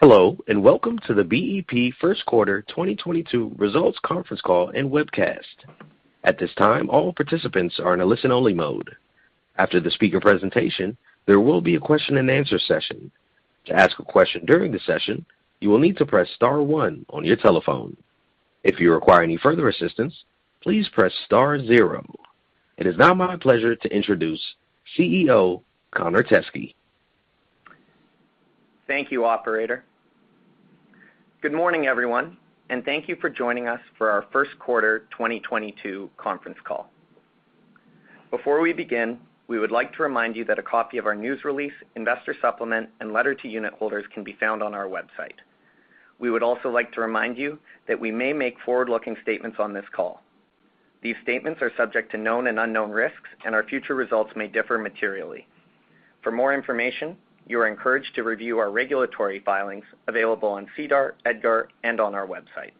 Hello, and welcome to the BEP Q1 2022 Results Conference Call and Webcast. At this time, all participants are in a listen-only mode. After the speaker presentation, there will be a question-and-answer session. To ask a question during the session, you will need to press star one on your telephone. If you require any further assistance, please press star zero. It is now my pleasure to introduce CEO Connor Teskey. Thank you, operator. Good morning, everyone, and thank you for joining us for our Q1 2022 conference call. Before we begin, we would like to remind you that a copy of our news release, investor supplement, and letter to unit holders can be found on our website. We would also like to remind you that we may make forward-looking statements on this call. These statements are subject to known and unknown risks, and our future results may differ materially. For more information, you are encouraged to review our regulatory filings available on SEDAR, EDGAR, and on our website.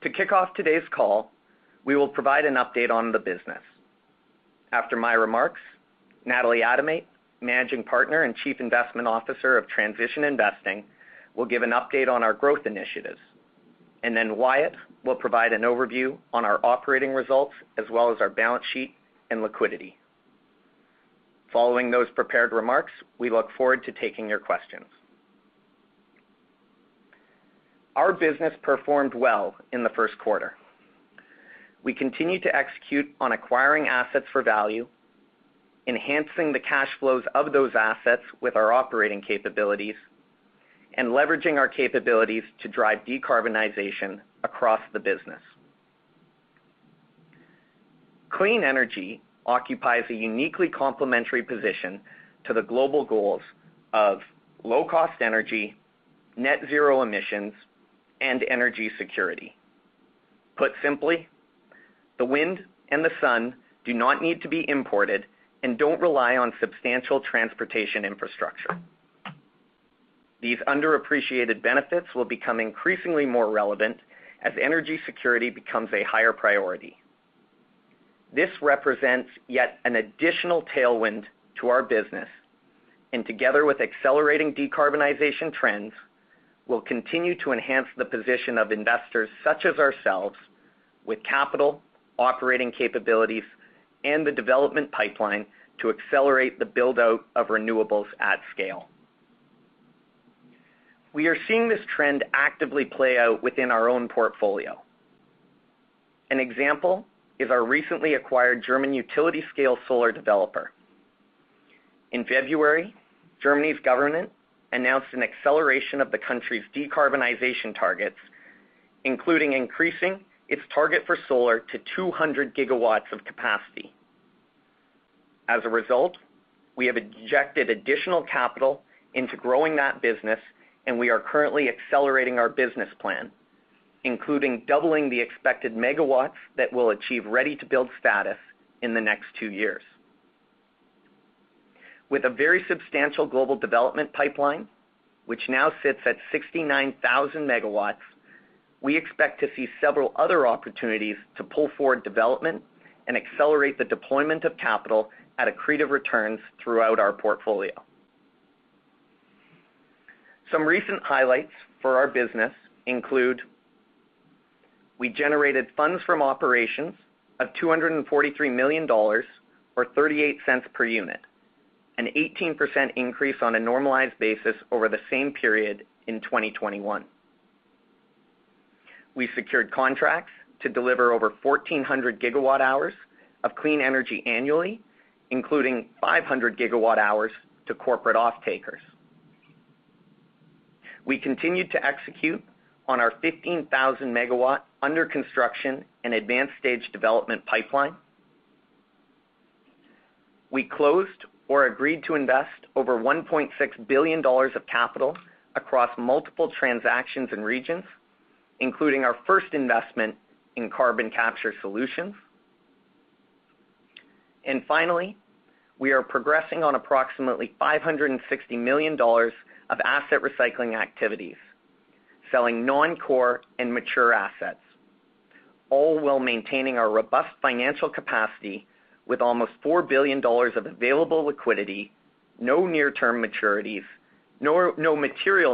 To kick off today's call, we will provide an update on the business. After my remarks, Natalie Adomait, Managing Partner and Chief Investment Officer of Transition Investing, will give an update on our growth initiatives, and then Wyatt will provide an overview on our operating results as well as our balance sheet and liquidity. Following those prepared remarks, we look forward to taking your questions. Our business performed well in the Q1. We continued to execute on acquiring assets for value, enhancing the cash flows of those assets with our operating capabilities, and leveraging our capabilities to drive decarbonization across the business. Clean energy occupies a uniquely complementary position to the global goals of low-cost energy, net zero emissions, and energy security. Put simply, the wind and the sun do not need to be imported and don't rely on substantial transportation infrastructure. These underappreciated benefits will become increasingly more relevant as energy security becomes a higher priority. This represents yet an additional tailwind to our business, and together with accelerating decarbonization trends, will continue to enhance the position of investors such as ourselves with capital, operating capabilities, and the development pipeline to accelerate the build-out of renewables at scale. We are seeing this trend actively play out within our own portfolio. An example is our recently acquired German utility-scale solar developer. In February, Germany's government announced an acceleration of the country's decarbonization targets, including increasing its target for solar to 200 GW of capacity. As a result, we have injected additional capital into growing that business, and we are currently accelerating our business plan, including doubling the expected megawatts that will achieve ready-to-build status in the next 2 years. With a very substantial global development pipeline, which now sits at 69,000 MW, we expect to see several other opportunities to pull forward development and accelerate the deployment of capital at accretive returns throughout our portfolio. Some recent highlights for our business include. We generated funds from operations of $243 million, or $0.38 per unit, an 18% increase on a normalized basis over the same period in 2021. We secured contracts to deliver over 1,400 GWh of clean energy annually, including 500 GWh to corporate off-takers. We continued to execute on our 15,000-MW under construction and advanced-stage development pipeline. We closed or agreed to invest over $1.6 billion of capital across multiple transactions and regions, including our first investment in carbon capture solutions. Finally, we are progressing on approximately $560 million of asset recycling activities, selling non-core and mature assets, all while maintaining our robust financial capacity with almost $4 billion of available liquidity, no material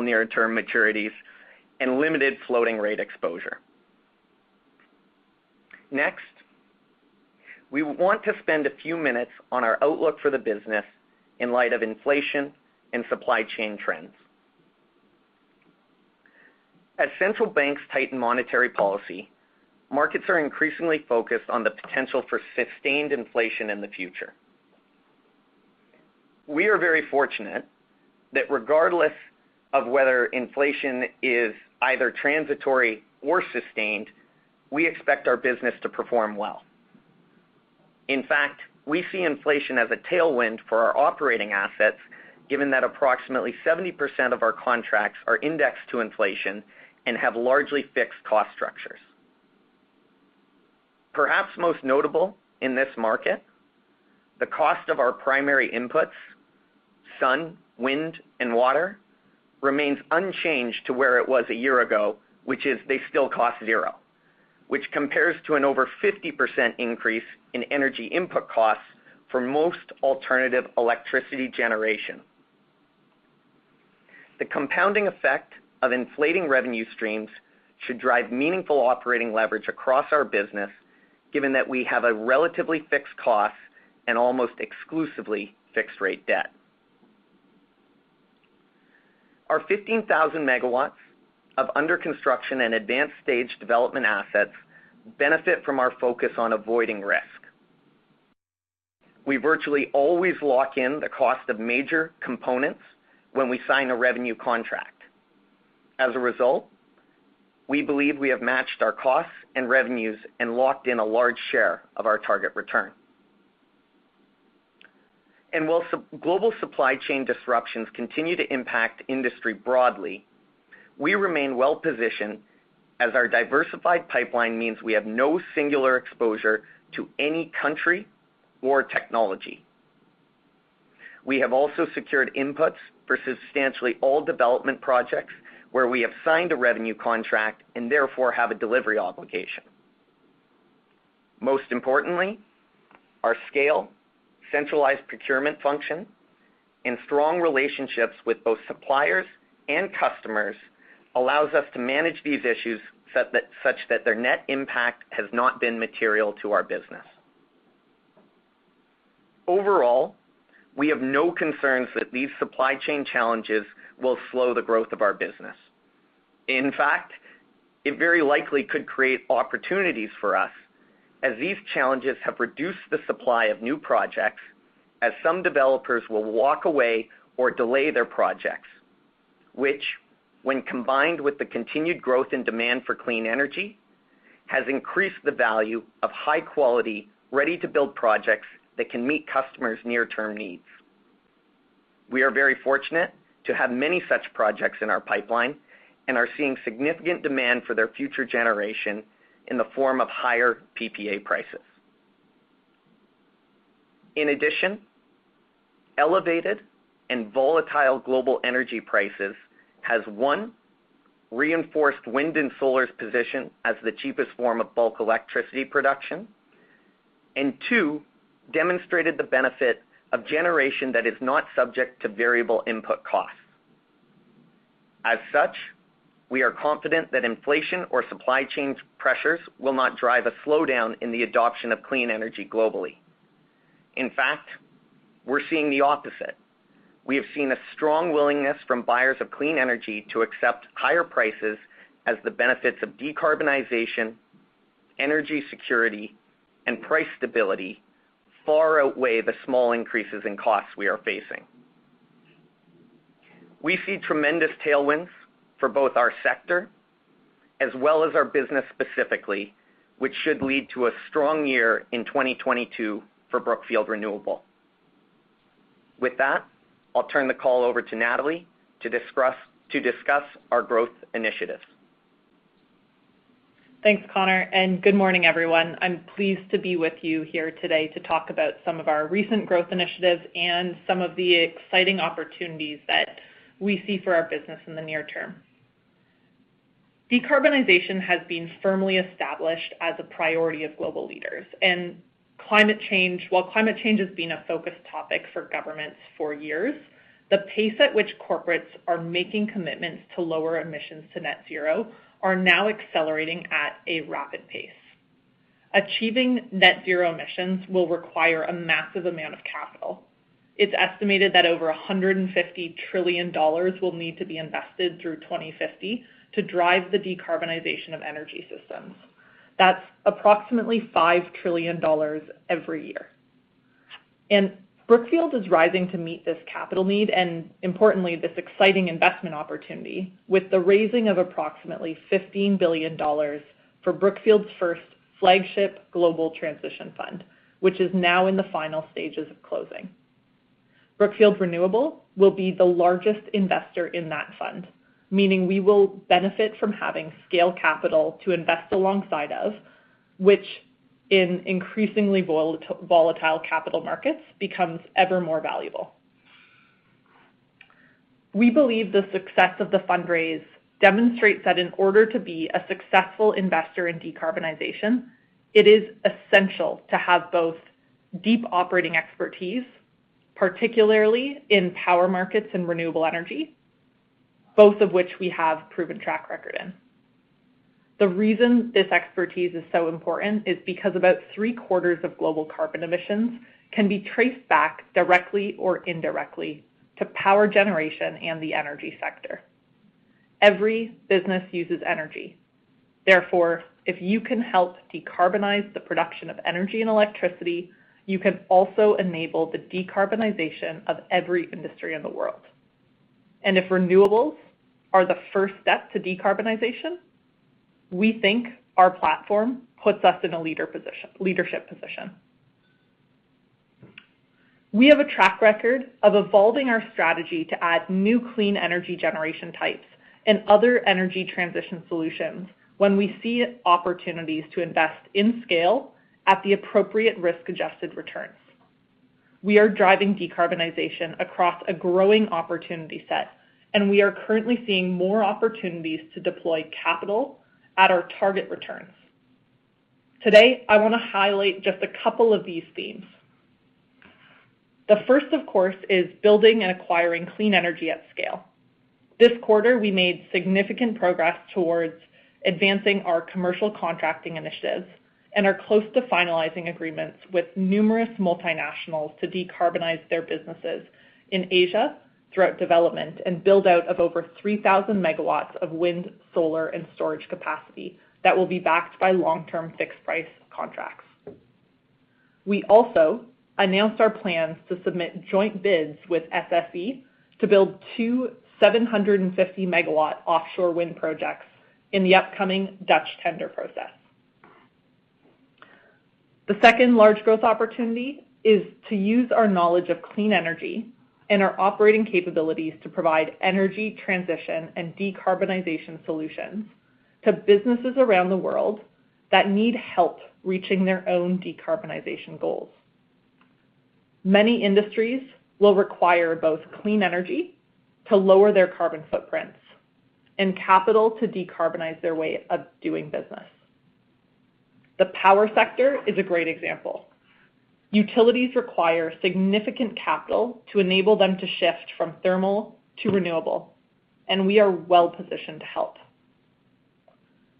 near-term maturities, and limited floating rate exposure. Next, we want to spend a few minutes on our outlook for the business in light of inflation and supply chain trends. As central banks tighten monetary policy, markets are increasingly focused on the potential for sustained inflation in the future. We are very fortunate that regardless of whether inflation is either transitory or sustained, we expect our business to perform well. In fact, we see inflation as a tailwind for our operating assets, given that approximately 70% of our contracts are indexed to inflation and have largely fixed cost structures. Perhaps most notable in this market, the cost of our primary inputs, sun, wind, and water, remains unchanged to where it was a year ago, which is they still cost zero, which compares to an over 50% increase in energy input costs for most alternative electricity generation. The compounding effect of inflating revenue streams should drive meaningful operating leverage across our business, given that we have a relatively fixed cost and almost exclusively fixed rate debt. Our 15,000 megawatts of under-construction and advanced-stage development assets benefit from our focus on avoiding risk. We virtually always lock in the cost of major components when we sign a revenue contract. As a result, we believe we have matched our costs and revenues and locked in a large share of our target return. While global supply chain disruptions continue to impact industry broadly, we remain well-positioned as our diversified pipeline means we have no singular exposure to any country or technology. We have also secured inputs for substantially all development projects where we have signed a revenue contract and therefore have a delivery obligation. Most importantly, our scale, centralized procurement function, and strong relationships with both suppliers and customers allows us to manage these issues such that their net impact has not been material to our business. Overall, we have no concerns that these supply chain challenges will slow the growth of our business. In fact, it very likely could create opportunities for us, as these challenges have reduced the supply of new projects, as some developers will walk away or delay their projects, which, when combined with the continued growth in demand for clean energy, has increased the value of high-quality, ready-to-build projects that can meet customers' near-term needs. We are very fortunate to have many such projects in our pipeline and are seeing significant demand for their future generation in the form of higher PPA prices. In addition, elevated and volatile global energy prices has, one, reinforced wind and solar's position as the cheapest form of bulk electricity production and, two, demonstrated the benefit of generation that is not subject to variable input costs. As such, we are confident that inflation or supply chain pressures will not drive a slowdown in the adoption of clean energy globally. In fact, we're seeing the opposite. We have seen a strong willingness from buyers of clean energy to accept higher prices as the benefits of decarbonization, energy security, and price stability far outweigh the small increases in costs we are facing. We see tremendous tailwinds for both our sector as well as our business specifically, which should lead to a strong year in 2022 for Brookfield Renewable. With that, I'll turn the call over to Natalie to discuss our growth initiatives. Thanks, Connor, and good morning, everyone. I'm pleased to be with you here today to talk about some of our recent growth initiatives and some of the exciting opportunities that we see for our business in the near term. Decarbonization has been firmly established as a priority of global leaders. While climate change has been a focus topic for governments for years, the pace at which corporates are making commitments to lower emissions to net zero are now accelerating at a rapid pace. Achieving net zero emissions will require a massive amount of capital. It's estimated that over $150 trillion will need to be invested through 2050 to drive the decarbonization of energy systems. That's approximately $5 trillion every year. Brookfield is rising to meet this capital need, and importantly, this exciting investment opportunity with the raising of approximately $15 billion for Brookfield's first flagship Brookfield Global Transition Fund, which is now in the final stages of closing. Brookfield Renewable will be the largest investor in that fund, meaning we will benefit from having scale capital to invest alongside of, which in increasingly volatile capital markets becomes ever more valuable. We believe the success of the fundraise demonstrates that in order to be a successful investor in decarbonization, it is essential to have both deep operating expertise, particularly in power markets and renewable energy, both of which we have proven track record in. The reason this expertise is so important is because about three-quarters of global carbon emissions can be traced back directly or indirectly to power generation and the energy sector. Every business uses energy. Therefore, if you can help decarbonize the production of energy and electricity, you can also enable the decarbonization of every industry in the world. If renewables are the first step to decarbonization, we think our platform puts us in a leadership position. We have a track record of evolving our strategy to add new clean energy generation types and other energy transition solutions when we see opportunities to invest in scale at the appropriate risk-adjusted returns. We are driving decarbonization across a growing opportunity set, and we are currently seeing more opportunities to deploy capital at our target returns. Today, I wanna highlight just a couple of these themes. The first, of course, is building and acquiring clean energy at scale. This quarter, we made significant progress towards advancing our commercial contracting initiatives and are close to finalizing agreements with numerous multinationals to decarbonize their businesses in Asia throughout development and build-out of over 3,000 MW of wind, solar, and storage capacity that will be backed by long-term fixed price contracts. We also announced our plans to submit joint bids with SSE to build two 750-MW offshore wind projects in the upcoming Dutch tender process. The second large growth opportunity is to use our knowledge of clean energy and our operating capabilities to provide energy transition and decarbonization solutions to businesses around the world that need help reaching their own decarbonization goals. Many industries will require both clean energy to lower their carbon footprints and capital to decarbonize their way of doing business. The power sector is a great example. Utilities require significant capital to enable them to shift from thermal to renewable, and we are well-positioned to help.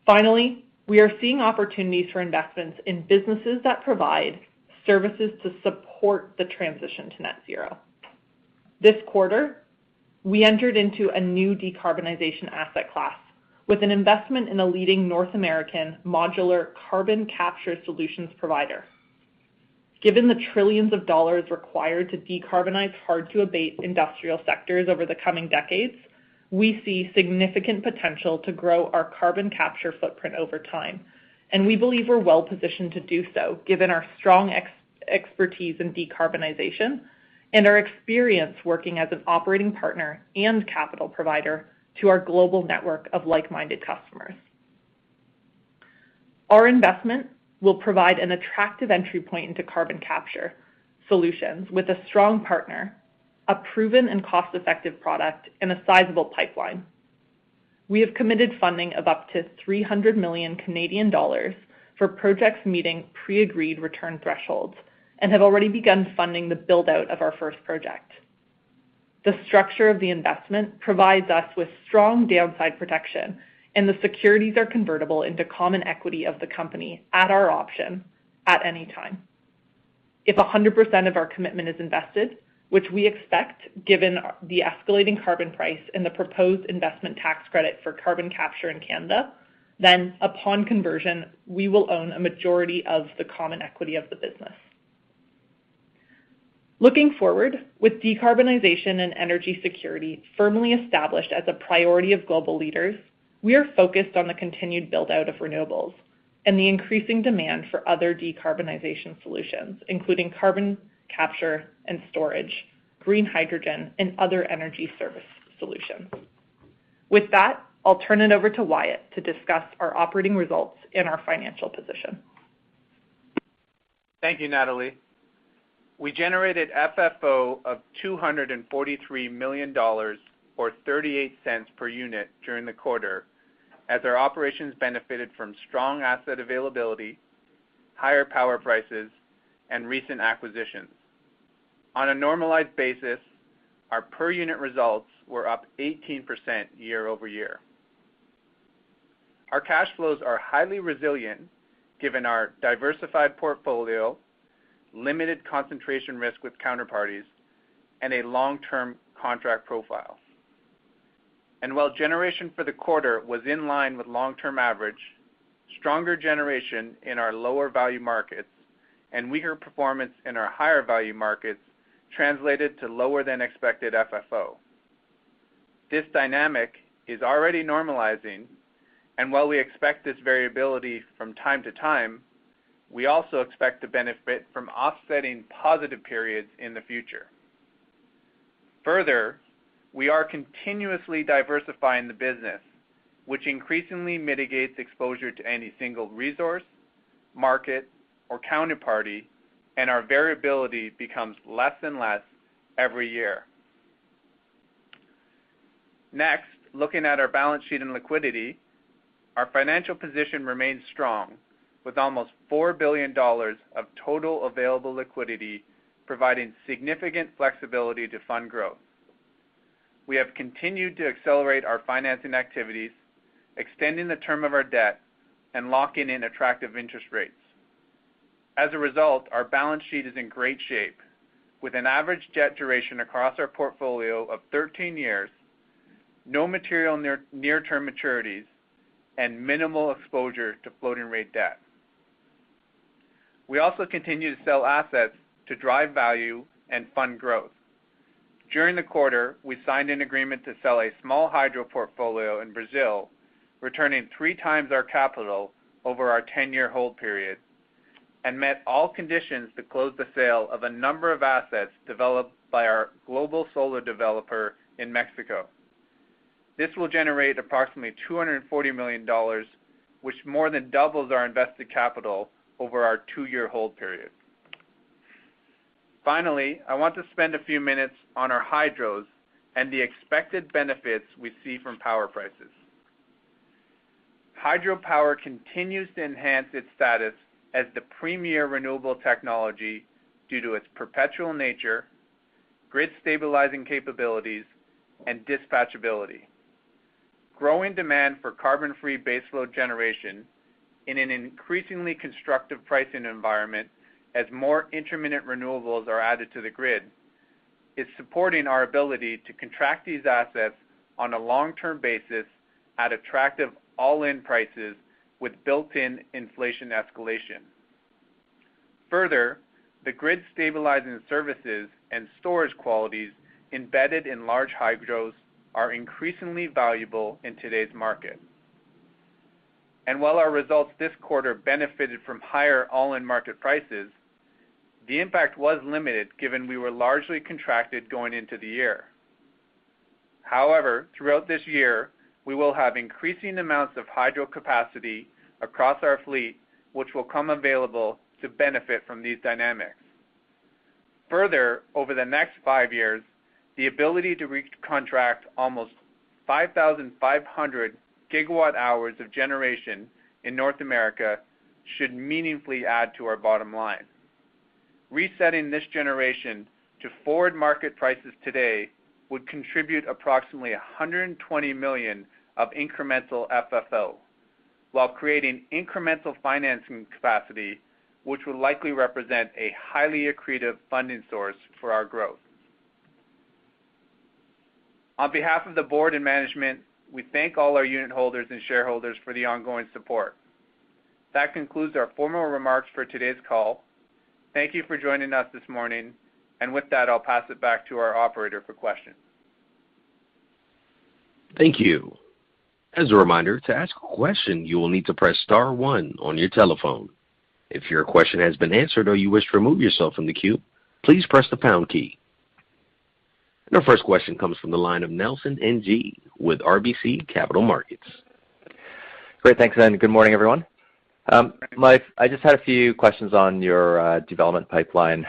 Finally, we are seeing opportunities for investments in businesses that provide services to support the transition to net zero. This quarter, we entered into a new decarbonization asset class with an investment in a leading North American modular carbon capture solutions provider. Given the trillions of dollars required to decarbonize hard to abate industrial sectors over the coming decades, we see significant potential to grow our carbon capture footprint over time, and we believe we're well-positioned to do so given our strong expertise in decarbonization and our experience working as an operating partner and capital provider to our global network of like-minded customers. Our investment will provide an attractive entry point into carbon capture solutions with a strong partner, a proven and cost-effective product, and a sizable pipeline. We have committed funding of up to 300 million Canadian dollars for projects meeting pre-agreed return thresholds and have already begun funding the build-out of our first project. The structure of the investment provides us with strong downside protection, and the securities are convertible into common equity of the company at our option at any time. If 100% of our commitment is invested, which we expect given the escalating carbon price and the proposed investment tax credit for carbon capture in Canada, then upon conversion, we will own a majority of the common equity of the business. Looking forward, with decarbonization and energy security firmly established as a priority of global leaders, we are focused on the continued build-out of renewables and the increasing demand for other decarbonization solutions, including carbon capture and storage, green hydrogen, and other energy service solutions. With that, I'll turn it over to Wyatt to discuss our operating results and our financial position. Thank you, Natalie. We generated FFO of $243 million, or $0.38 per unit during the quarter as our operations benefited from strong asset availability, higher power prices, and recent acquisitions. On a normalized basis, our per unit results were up 18% year-over-year. Our cash flows are highly resilient given our diversified portfolio, limited concentration risk with counterparties, and a long-term contract profile. While generation for the quarter was in line with long-term average, stronger generation in our lower value markets and weaker performance in our higher value markets translated to lower than expected FFO. This dynamic is already normalizing, and while we expect this variability from time to time, we also expect to benefit from offsetting positive periods in the future. Further, we are continuously diversifying the business, which increasingly mitigates exposure to any single resource, market, or counterparty, and our variability becomes less and less every year. Next, looking at our balance sheet and liquidity. Our financial position remains strong with almost $4 billion of total available liquidity, providing significant flexibility to fund growth. We have continued to accelerate our financing activities, extending the term of our debt and locking in attractive interest rates. As a result, our balance sheet is in great shape with an average debt duration across our portfolio of 13 years, no material near-term maturities, and minimal exposure to floating rate debt. We also continue to sell assets to drive value and fund growth. During the quarter, we signed an agreement to sell a small hydro portfolio in Brazil, returning 3x our capital over our 10-year hold period, and met all conditions to close the sale of a number of assets developed by our global solar developer in Mexico. This will generate approximately $240 million, which more than doubles our invested capital over our 2-year hold period. Finally, I want to spend a few minutes on our hydros and the expected benefits we see from power prices. Hydro power continues to enhance its status as the premier renewable technology due to its perpetual nature, grid stabilizing capabilities, and dispatch ability. Growing demand for carbon-free baseload generation in an increasingly constructive pricing environment as more intermittent renewables are added to the grid, is supporting our ability to contract these assets on a long-term basis at attractive all-in prices with built-in inflation escalation. Further, the grid stabilizing services and storage qualities embedded in large hydros are increasingly valuable in today's market. While our results this quarter benefited from higher all-in market prices, the impact was limited given we were largely contracted going into the year. However, throughout this year, we will have increasing amounts of hydro capacity across our fleet, which will come available to benefit from these dynamics. Further, over the next five years, the ability to recontract almost 5,500 gigawatt-hours of generation in North America should meaningfully add to our bottom line. Resetting this generation to forward market prices today would contribute approximately $120 million of incremental FFO, while creating incremental financing capacity, which will likely represent a highly accretive funding source for our growth. On behalf of the board and management, we thank all our unitholders and shareholders for the ongoing support. That concludes our formal remarks for today's call. Thank you for joining us this morning. With that, I'll pass it back to our operator for questions. Thank you. As a reminder, to ask a question, you will need to press star one on your telephone. If your question has been answered or you wish to remove yourself from the queue, please press the pound key. Your first question comes from the line of Nelson Ng with RBC Capital Markets. Great. Thanks, Ed. Good morning, everyone. Mike, I just had a few questions on your development pipeline.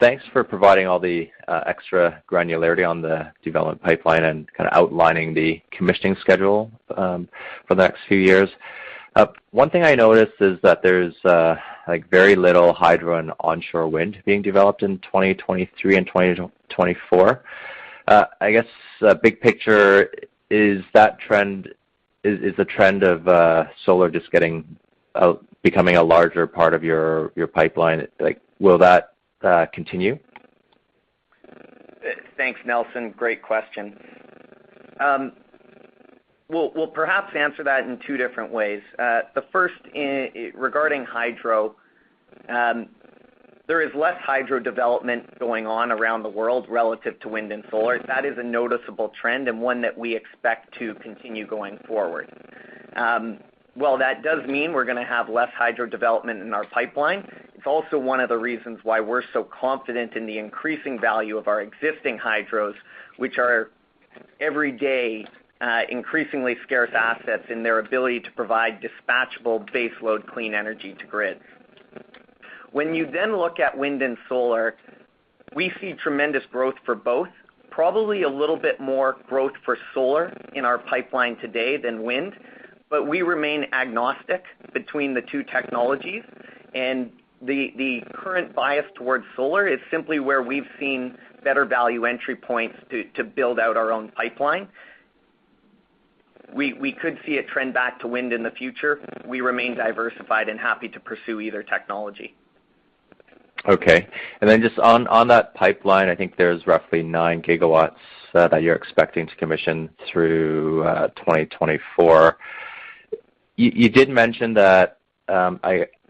Thanks for providing all the extra granularity on the development pipeline and kinda outlining the commissioning schedule for the next few years. One thing I noticed is that there's like very little hydro and onshore wind being developed in 2023 and 2024. I guess, big picture, is that trend? Is the trend of solar just becoming a larger part of your pipeline? Like, will that continue? Thanks, Nelson. Great question. We'll perhaps answer that in two different ways. The first is regarding hydro. There is less hydro development going on around the world relative to wind and solar. That is a noticeable trend and one that we expect to continue going forward. While that does mean we're gonna have less hydro development in our pipeline, it's also one of the reasons why we're so confident in the increasing value of our existing hydros, which are every day increasingly scarce assets in their ability to provide dispatchable baseload clean energy to grid. When you then look at wind and solar, we see tremendous growth for both, probably a little bit more growth for solar in our pipeline today than wind, but we remain agnostic between the two technologies. The current bias towards solar is simply where we've seen better value entry points to build out our own pipeline. We could see a trend back to wind in the future. We remain diversified and happy to pursue either technology. Okay. Then just on that pipeline, I think there's roughly 9 GW that you're expecting to commission through 2024. You did mention that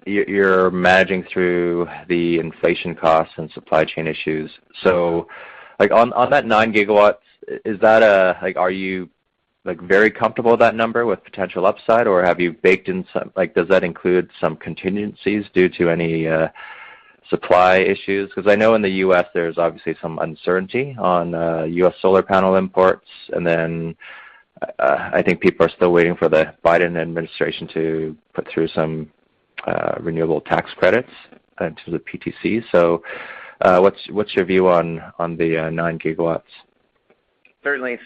you're managing through the inflation costs and supply chain issues. Like, on that 9 GW, like, are you, like, very comfortable with that number with potential upside? Or have you baked in some like, does that include some contingencies due to any supply issues? Because I know in the U.S., there's obviously some uncertainty on U.S. solar panel imports. I think people are still waiting for the Biden administration to put through some renewable tax credits into the PTC. What's your view on the 9 GW? Certainly.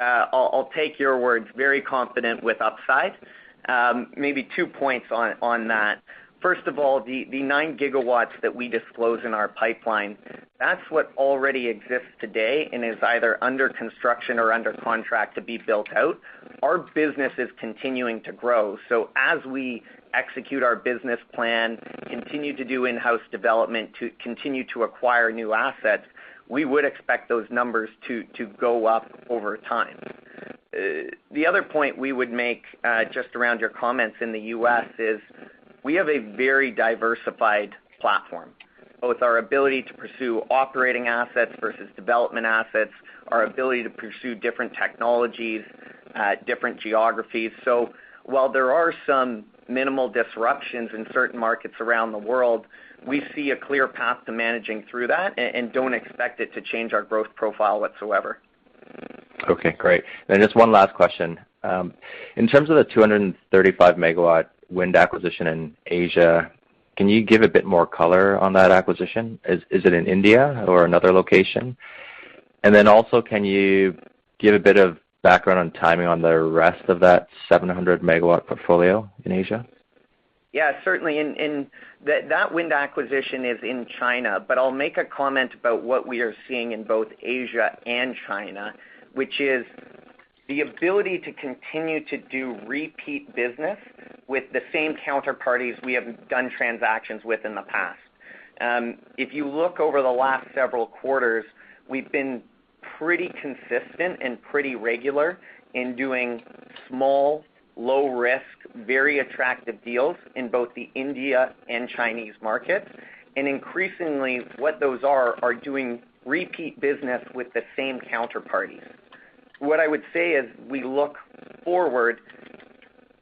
I'll take your words, very confident with upside. Maybe two points on that. First of all, the nine gigawatts that we disclose in our pipeline, that's what already exists today and is either under construction or under contract to be built out. Our business is continuing to grow. As we execute our business plan, continue to do in-house development, to continue to acquire new assets, we would expect those numbers to go up over time. The other point we would make, just around your comments in the U.S. is we have a very diversified platform. Both our ability to pursue operating assets versus development assets, our ability to pursue different technologies At different geographies. While there are some minimal disruptions in certain markets around the world, we see a clear path to managing through that and don't expect it to change our growth profile whatsoever. Okay, great. Just one last question. In terms of the 235-MW wind acquisition in Asia, can you give a bit more color on that acquisition? Is it in India or another location? And then also, can you give a bit of background on timing on the rest of that 700-MW portfolio in Asia? Yeah, certainly. That wind acquisition is in China, but I'll make a comment about what we are seeing in both Asia and China, which is the ability to continue to do repeat business with the same counterparties we have done transactions with in the past. If you look over the last several quarters, we've been pretty consistent and pretty regular in doing small, low risk, very attractive deals in both the Indian and Chinese markets. Increasingly, what those are doing repeat business with the same counterparties. What I would say as we look forward,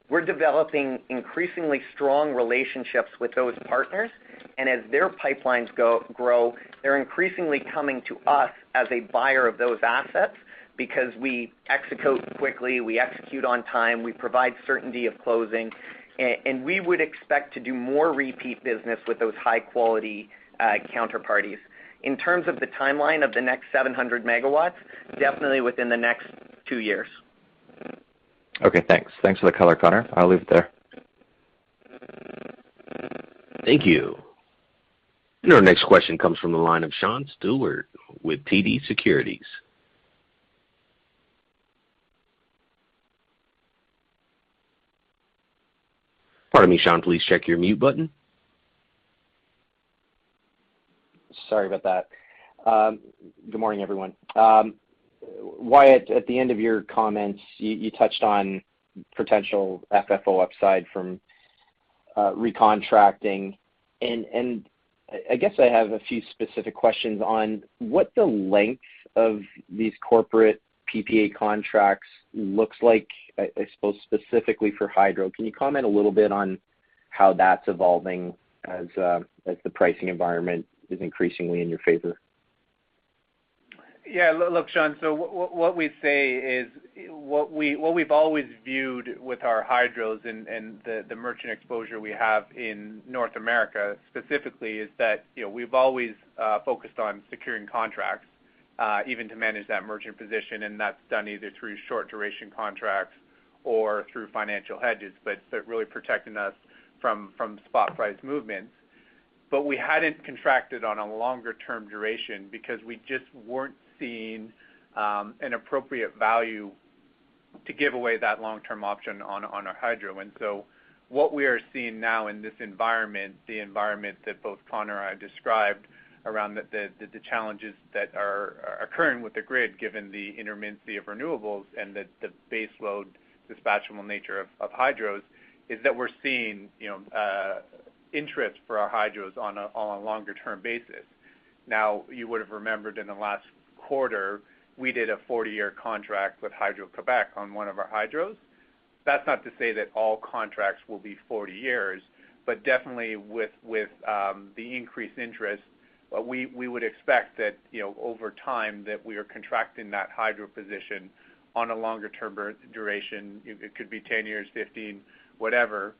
we're developing increasingly strong relationships with those partners. As their pipelines grow, they're increasingly coming to us as a buyer of those assets because we execute quickly, we execute on time, we provide certainty of closing, and we would expect to do more repeat business with those high-quality counterparties. In terms of the timeline of the next 700 megawatts, definitely within the next two years. Okay, thanks. Thanks for the color, Connor. I'll leave it there. Thank you. Our next question comes from the line of Sean Steuart with TD Securities. Pardon me, Sean, please check your mute button. Sorry about that. Good morning, everyone. Wyatt, at the end of your comments, you touched on potential FFO upside from recontracting. I guess I have a few specific questions on what the length of these corporate PPA contracts looks like, I suppose, specifically for Hydro. Can you comment a little bit on how that's evolving as the pricing environment is increasingly in your favor? Yeah, look, Sean, what we say is what we've always viewed with our hydros and the merchant exposure we have in North America specifically is that, you know, we've always focused on securing contracts even to manage that merchant position, and that's done either through short-duration contracts or through financial hedges, but really protecting us from spot price movements. We hadn't contracted on a longer-term duration because we just weren't seeing an appropriate value to give away that long-term option on our hydro. What we are seeing now in this environment, the environment that both Connor and I described around the challenges that are occurring with the grid, given the intermittency of renewables and the base load dispatchable nature of Hydros, is that we're seeing you know interest for our Hydros on a longer-term basis. Now, you would have remembered in the last quarter, we did a 40-year contract with Hydro-Québec on one of our Hydros. That's not to say that all contracts will be 40 years, but definitely with the increased interest, we would expect that you know over time that we are contracting that Hydro position on a longer-term duration. It could be 10 years, 15, whatever,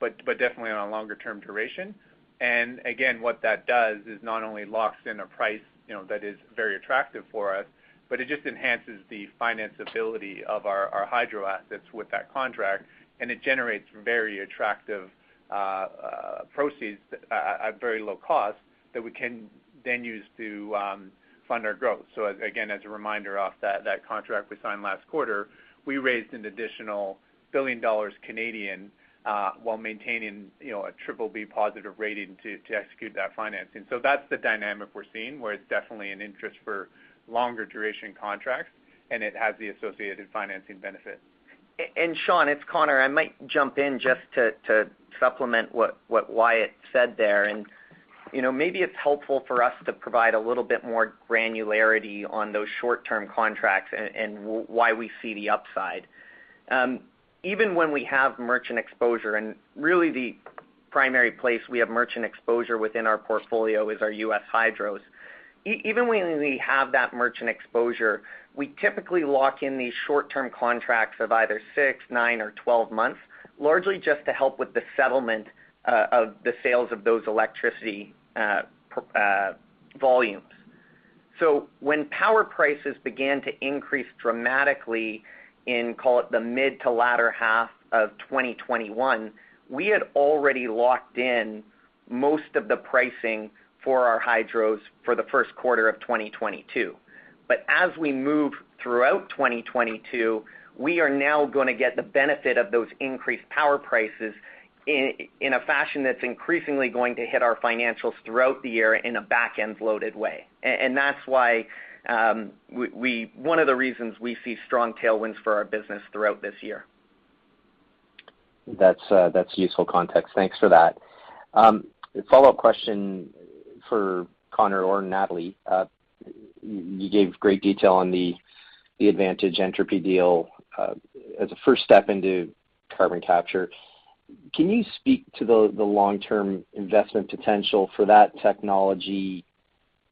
but definitely on a longer-term duration. What that does is not only locks in a price, you know, that is very attractive for us, but it just enhances the financeability of our Hydro assets with that contract, and it generates very attractive proceeds at very low cost that we can then use to fund our growth. As a reminder of that contract we signed last quarter, we raised an additional 1 billion dollars while maintaining, you know, a BBB+ rating to execute that financing. That's the dynamic we're seeing, where it's definitely of interest for longer-duration contracts, and it has the associated financing benefit. Sean Steuart, it's Connor Teskey. I might jump in just to supplement what Wyatt said there. You know, maybe it's helpful for us to provide a little bit more granularity on those short-term contracts and why we see the upside. Even when we have merchant exposure, and really the primary place we have merchant exposure within our portfolio is our U.S. Hydros. Even when we have that merchant exposure, we typically lock in these short-term contracts of either 6, 9, or 12 months, largely just to help with the settlement of the sales of those electricity volumes. When power prices began to increase dramatically in, call it, the mid- to latter half of 2021, we had already locked in most of the pricing for our Hydros for the Q1 of 2022. As we move throughout 2022, we are now gonna get the benefit of those increased power prices in a fashion that's increasingly going to hit our financials throughout the year in a back-end-loaded way. That's why one of the reasons we see strong tailwinds for our business throughout this year. That's useful context. Thanks for that. A follow-up question for Connor or Natalie. You gave great detail on the Advantage Entropy deal as a first step into carbon capture. Can you speak to the long-term investment potential for that technology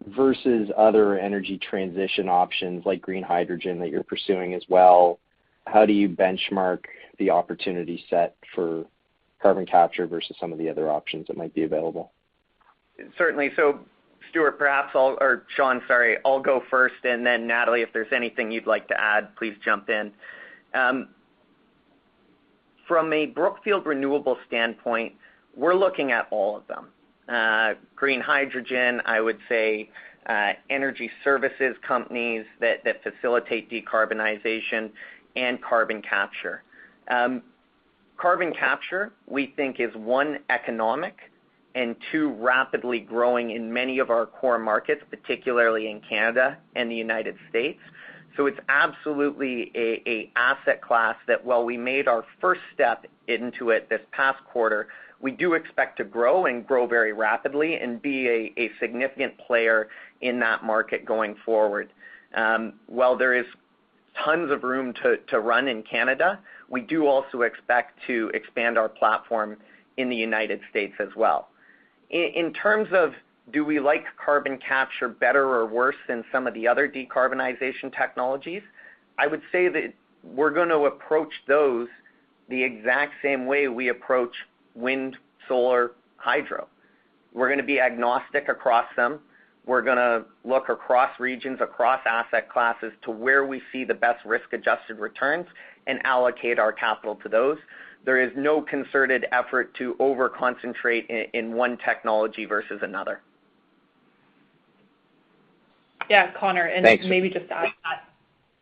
versus other energy transition options like green hydrogen that you're pursuing as well? How do you benchmark the opportunity set for carbon capture versus some of the other options that might be available? Certainly. Sean, sorry, I'll go first, and then Natalie, if there's anything you'd like to add, please jump in. From a Brookfield Renewable standpoint, we're looking at all of them. Green hydrogen, I would say, energy services companies that facilitate decarbonization and carbon capture. Carbon capture, we think is, one, economic, and two, rapidly growing in many of our core markets, particularly in Canada and the United States. It's absolutely an asset class that while we made our first step into it this past quarter, we do expect to grow and grow very rapidly and be a significant player in that market going forward. While there is tons of room to run in Canada, we do also expect to expand our platform in the United States as well. In terms of do we like carbon capture better or worse than some of the other decarbonization technologies, I would say that we're gonna approach those the exact same way we approach wind, solar, hydro. We're gonna be agnostic across them. We're gonna look across regions, across asset classes to where we see the best risk-adjusted returns and allocate our capital to those. There is no concerted effort to over-concentrate in one technology versus another. Yeah, Connor. Thanks. Maybe just to add to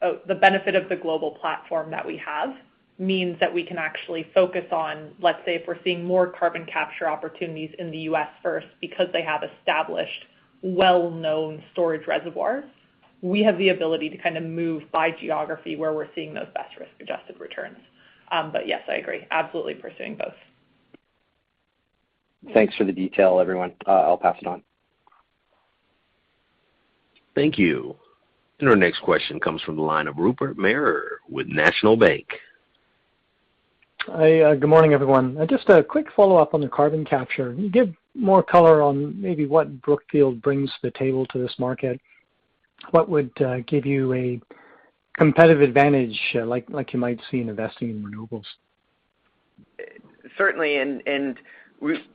that, the benefit of the global platform that we have means that we can actually focus on, let's say, if we're seeing more carbon capture opportunities in the U.S. first because they have established well-known storage reservoirs, we have the ability to kind of move by geography where we're seeing those best risk-adjusted returns. Yes, I agree, absolutely pursuing both. Thanks for the detail, everyone. I'll pass it on. Thank you. Our next question comes from the line of Rupert Merer with National Bank. Hi. Good morning, everyone. Just a quick follow-up on the carbon capture. Can you give more color on maybe what Brookfield brings to the table to this market? What would give you a competitive advantage, like you might see in investing in renewables? Certainly,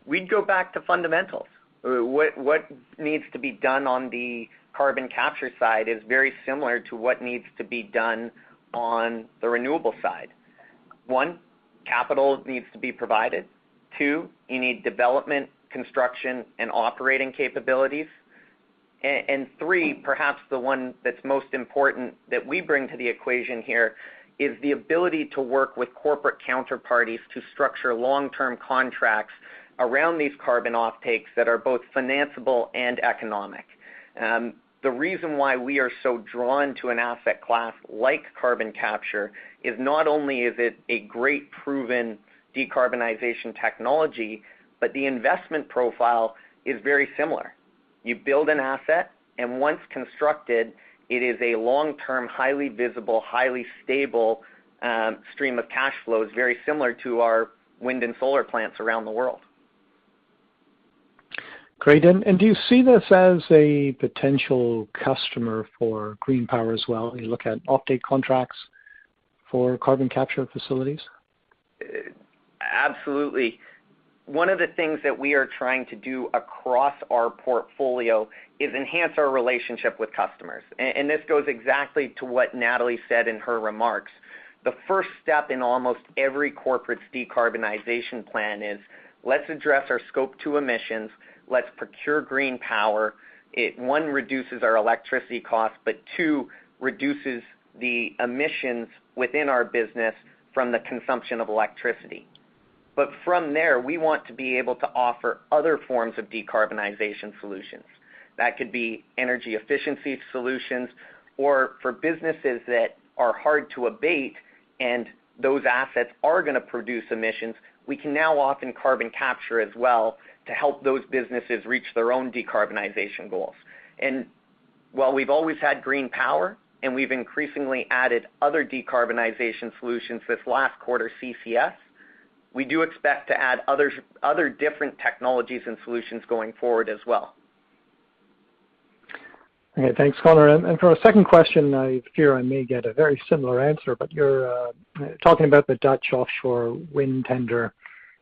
we'd go back to fundamentals. What needs to be done on the carbon capture side is very similar to what needs to be done on the renewable side. One, capital needs to be provided. Two, you need development, construction, and operating capabilities. And three, perhaps the one that's most important that we bring to the equation here is the ability to work with corporate counterparties to structure long-term contracts around these carbon offtakes that are both financiable and economic. The reason why we are so drawn to an asset class like carbon capture is not only is it a great proven decarbonization technology, but the investment profile is very similar. You build an asset, and once constructed, it is a long-term, highly visible, highly stable, stream of cash flows, very similar to our wind and solar plants around the world. Great. Do you see this as a potential customer for green power as well? You look at offtake contracts for carbon capture facilities? Absolutely. One of the things that we are trying to do across our portfolio is enhance our relationship with customers. This goes exactly to what Natalie said in her remarks. The first step in almost every corporate's decarbonization plan is, let's address our Scope 2 emissions, let's procure green power. It, one, reduces our electricity costs, but two, reduces the emissions within our business from the consumption of electricity. From there, we want to be able to offer other forms of decarbonization solutions. That could be energy efficiency solutions or for businesses that are hard to abate and those assets are gonna produce emissions, we can now offer carbon capture as well to help those businesses reach their own decarbonization goals. While we've always had green power, and we've increasingly added other decarbonization solutions this last quarter, CCS, we do expect to add other different technologies and solutions going forward as well. Okay. Thanks, Connor. For a second question, I fear I may get a very similar answer, but you're talking about the Dutch offshore wind tender.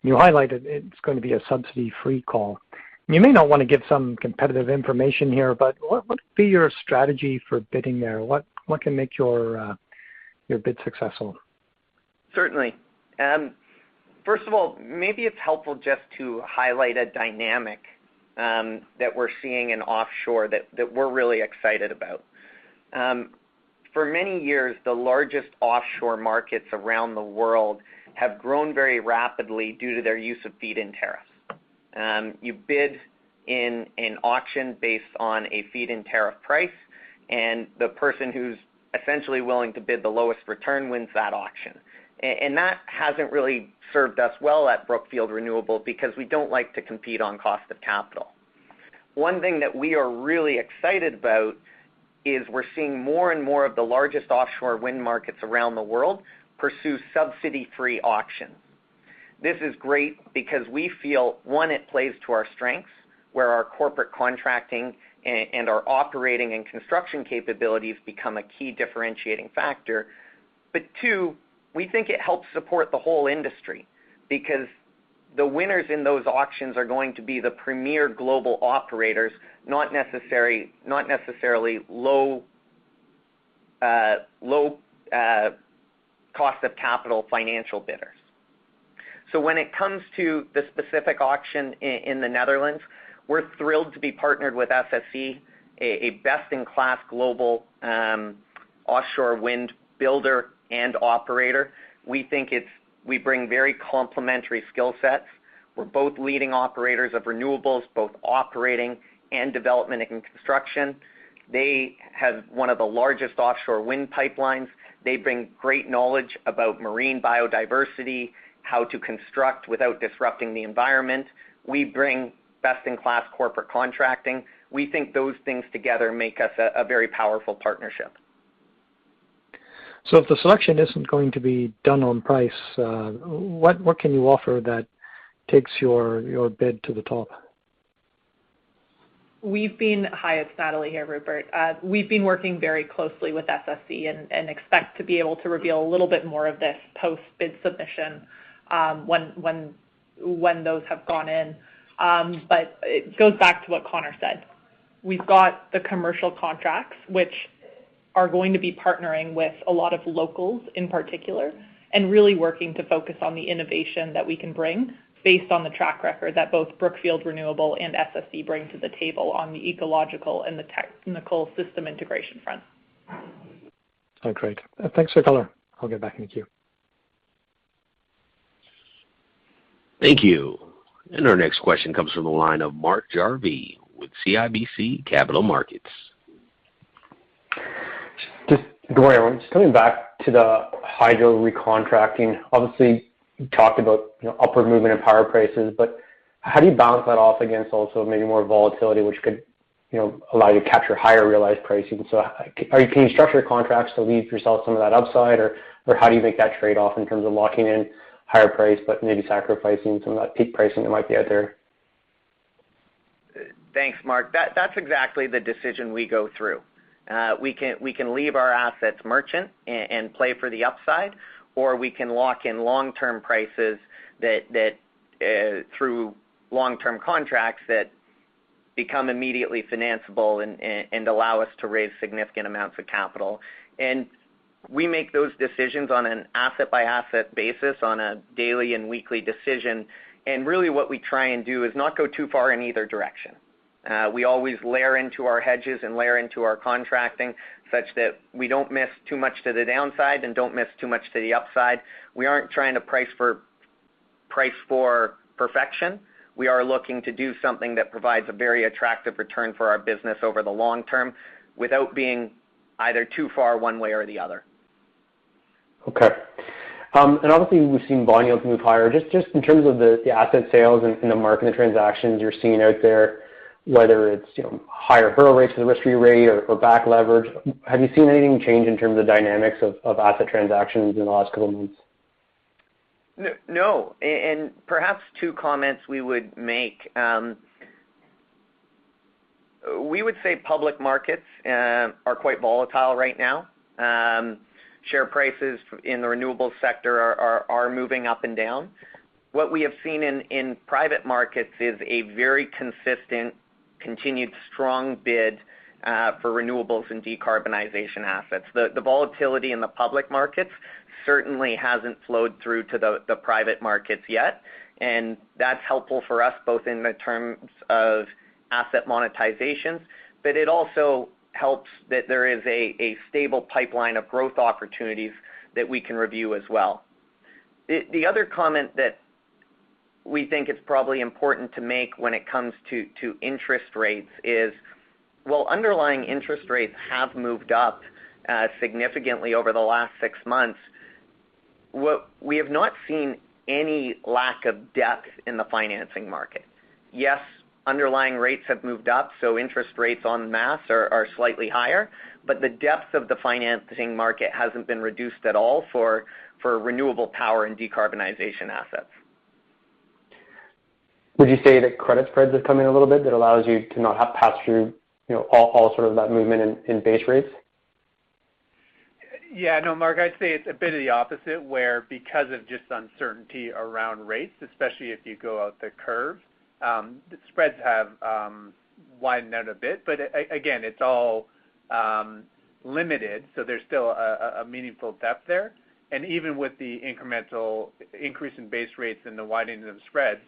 You highlighted it's going to be a subsidy-free call. You may not wanna give some competitive information here, but what would be your strategy for bidding there? What can make your your bid successful? Certainly. First of all, maybe it's helpful just to highlight a dynamic that we're seeing in offshore that we're really excited about. For many years, the largest offshore markets around the world have grown very rapidly due to their use of feed-in tariffs. You bid in an auction based on a feed-in tariff price, and the person who's essentially willing to bid the lowest return wins that auction. And that hasn't really served us well at Brookfield Renewable because we don't like to compete on cost of capital. One thing that we are really excited about is we're seeing more and more of the largest offshore wind markets around the world pursue subsidy-free auctions. This is great because we feel, one, it plays to our strengths, where our corporate contracting and our operating and construction capabilities become a key differentiating factor. Two, we think it helps support the whole industry because the winners in those auctions are going to be the premier global operators, not necessarily low cost of capital financial bidders. When it comes to the specific auction in the Netherlands, we're thrilled to be partnered with SSE, a best-in-class global offshore wind builder and operator. We think we bring very complementary skill sets. We're both leading operators of renewables, both operating and development and construction. They have one of the largest offshore wind pipelines. They bring great knowledge about marine biodiversity, how to construct without disrupting the environment. We bring best-in-class corporate contracting. We think those things together make us a very powerful partnership. If the selection isn't going to be done on price, what can you offer that takes your bid to the top? Hi, it's Natalie here, Rupert. We've been working very closely with SSE and expect to be able to reveal a little bit more of this post-bid submission when those have gone in. It goes back to what Connor said. We've got the commercial contracts, which are going to be partnering with a lot of locals in particular, and really working to focus on the innovation that we can bring based on the track record that both Brookfield Renewable and SSE bring to the table on the ecological and the technical system integration front. Oh, great. Thanks for color. I'll get back in the queue. Thank you. Our next question comes from the line of Mark Jarvi with CIBC Capital Markets. Just coming back to the hydro recontracting. Obviously, you talked about, you know, upward movement in power prices, but how do you balance that off against also maybe more volatility, which could, you know, allow you to capture higher realized pricing? Like, can you structure contracts to leave yourself some of that upside, or how do you make that trade-off in terms of locking in higher price, but maybe sacrificing some of that peak pricing that might be out there? Thanks, Mark. That's exactly the decision we go through. We can leave our assets merchant and play for the upside, or we can lock in long-term prices that through long-term contracts that become immediately financeable and allow us to raise significant amounts of capital. We make those decisions on an asset-by-asset basis on a daily and weekly decision. Really what we try and do is not go too far in either direction. We always layer into our hedges and layer into our contracting such that we don't miss too much to the downside and don't miss too much to the upside. We aren't trying to price for perfection. We are looking to do something that provides a very attractive return for our business over the long term without being either too far one way or the other. Okay. We've seen bond yields move higher. Just in terms of the asset sales and the market and transactions you're seeing out there, whether it's, you know, higher hurdle rates for the risk-free rate or back leverage, have you seen anything change in terms of dynamics of asset transactions in the last couple of months? No. Perhaps two comments we would make. We would say public markets are quite volatile right now. Share prices in the renewable sector are moving up and down. What we have seen in private markets is a very consistent, continued strong bid for renewables and decarbonization assets. The volatility in the public markets certainly hasn't flowed through to the private markets yet, and that's helpful for us both in the terms of asset monetizations, but it also helps that there is a stable pipeline of growth opportunities that we can review as well. The other comment that we think is probably important to make when it comes to interest rates is, while underlying interest rates have moved up significantly over the last six months, we have not seen any lack of depth in the financing market. Yes, underlying rates have moved up, so interest rates en masse are slightly higher, but the depth of the financing market hasn't been reduced at all for renewable power and decarbonization assets. Would you say that credit spreads have come in a little bit that allows you to not have pass through, you know, all sort of that movement in base rates? Yeah. No, Mark, I'd say it's a bit of the opposite, where because of just uncertainty around rates, especially if you go out the curve, the spreads have widened out a bit. But again, it's all limited, so there's still a meaningful depth there. Even with the incremental increase in base rates and the widening of spreads,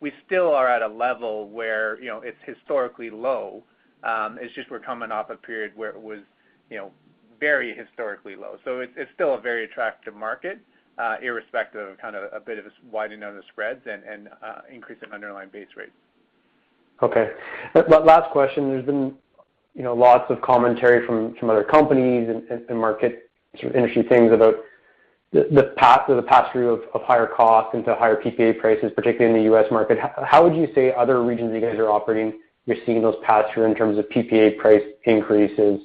we still are at a level where, you know, it's historically low. It's just we're coming off a period where it was, you know. Very historically low. It's still a very attractive market, irrespective of kind of a bit of this widening of the spreads and increase in underlying base rates. Okay. Last question. There's been lots of commentary from other companies and market sort of industry things about the path or the pass-through of higher costs into higher PPA prices, particularly in the U.S. market. How would you say other regions you guys are operating, you're seeing those pass-through in terms of PPA price increases?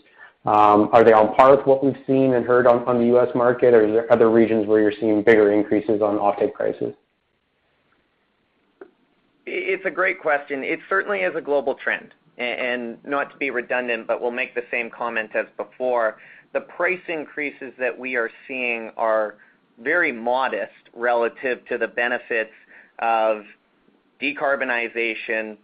Are they on par with what we've seen and heard on the U.S. market, or are there other regions where you're seeing bigger increases on offtake prices? It's a great question. It certainly is a global trend. Not to be redundant, but we'll make the same comment as before. The price increases that we are seeing are very modest relative to the benefits of decarbonization,